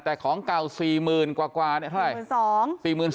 แต่ของเก่า๔๐๐๐กว่าเนี่ยเท่าไหร่